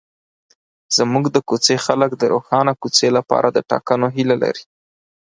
زموږ د کوڅې خلک د روښانه کوڅې لپاره د ټاکنو هیله لري.